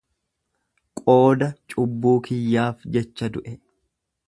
Qooda cubbuu kiyyaaf jecha du'e.